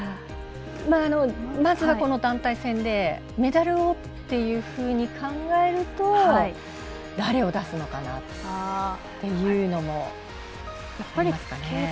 まずは団体戦でメダルをというふうに考えると誰を出すのかなというのもありますかね。